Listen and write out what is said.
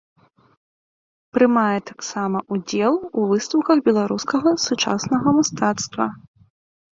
Прымае таксама ўдзел у выстаўках беларускага сучаснага мастацтва.